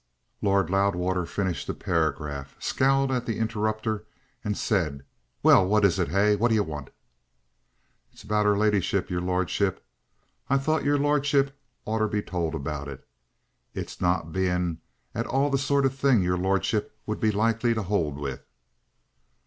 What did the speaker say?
Lord Loudwater finished the paragraph, scowled at the interrupter, and said: "Well, what is it? Hey? What do you want?" "It's about 'er ladyship, your lordship. I thought your lordship oughter be told about it its not being at all the sort of thing as your lordship would be likely to 'old with."